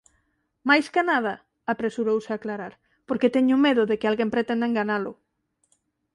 Máis ca nada _apresurouse a aclarar_, porque teño medo de que alguén pretenda enganalo.